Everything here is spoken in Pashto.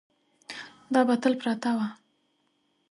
دا به تل پرته وه.